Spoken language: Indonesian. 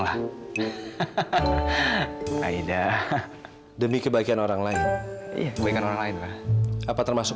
lah aida demi kebaikan orang lain kebaikan orang lain apa termasuk